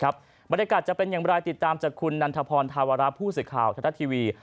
บรรยากาศจะเป็นอย่างไรติดตามจากคุณนันทพรธาวราผู้สื่อข่าวธนัดทีวี